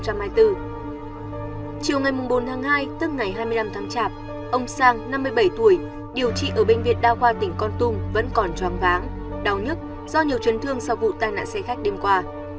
chiều ngày bốn tháng hai tức ngày hai mươi năm tháng chạp ông sang năm mươi bảy tuổi điều trị ở bệnh viện đa khoa tỉnh con tum vẫn còn choang váng đau nhức do nhiều chấn thương sau vụ tai nạn xe khách đêm qua